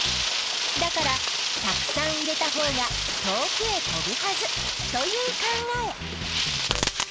だからたくさん入れたほうが遠くへ飛ぶはずという考え。